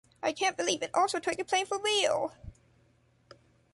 I can’t believe it, Also took the plane for real!